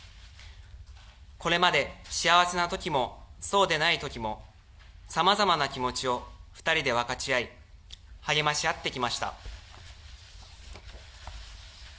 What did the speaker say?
これまで幸せなときも、そうでないときも、さまざまな気持ちを２人で分かち合い、励まし合ってきました。